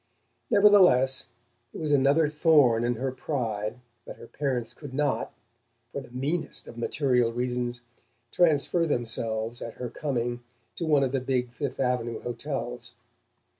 Nevertheless, it was another thorn in her pride that her parents could not for the meanest of material reasons transfer themselves at her coming to one of the big Fifth Avenue hotels.